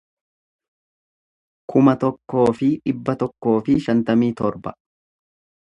kuma tokkoo fi dhibba tokkoo fi shantamii torba